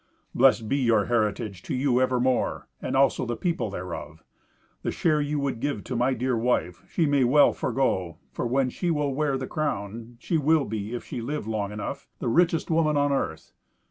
"Blest be your heritage to you evermore, and also the people thereof. The share you would give to my dear wife she may well forego, for when she will wear the crown, she will be, if she live long enough, the richest woman on earth.